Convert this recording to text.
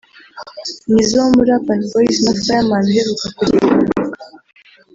Nizzo wo muri Urban Boyz na Fireman uheruka kugira impanuka